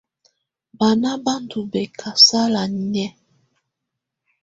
Banà bá ndù bɛ̀kasala nɛ̀á.